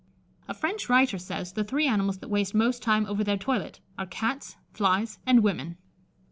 A French writer says, the three animals that waste most time over their toilet are cats, flies, and women.